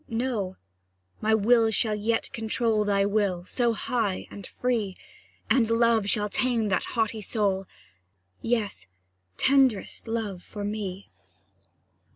No my will shall yet control Thy will, so high and free, And love shall tame that haughty soul Yes tenderest love for me.